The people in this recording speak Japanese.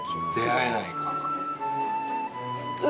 出会えないか。